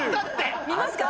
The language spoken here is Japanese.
見ますか？